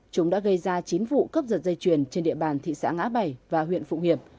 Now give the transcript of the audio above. chúng đã gây ra chín vụ cấp giật dây chuyền trên địa bàn thị xã ngã bảy và huyện phụng hiệp